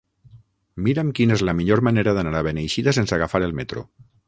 Mira'm quina és la millor manera d'anar a Beneixida sense agafar el metro.